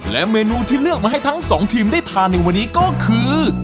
และเมนูที่เลือกมาให้ทั้งสองทีมได้ทานในวันนี้ก็คือ